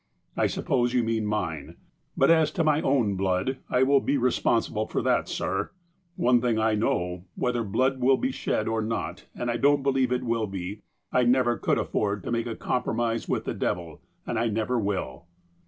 I suppose you mean mine. But, as to my own blood, I will be re sponsible for that, sir. One thing I know — whether blood will be shed or not, and I don't believe it will be, I never could afford to make a compromise with the devil, and I never will."